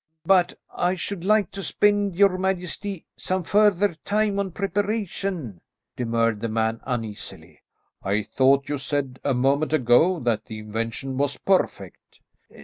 "But I should like to spend, your majesty, some further time on preparation," demurred the man uneasily. "I thought you said a moment ago that the invention was perfect."